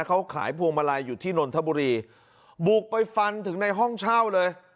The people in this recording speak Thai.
เขาขายพวงมาลัยอยู่ที่นนทบุรีบุกไปฟันถึงในห้องเช่าเลย